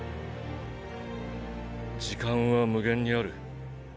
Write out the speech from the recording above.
時間は無限にある。